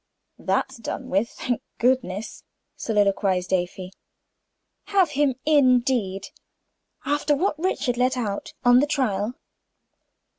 "That's done with, thank goodness," soliloquized Afy. "Have him, indeed. After what Richard let out on the trial.